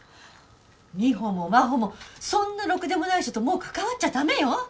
美帆も真帆もそんなろくでもない人ともう関わっちゃ駄目よ。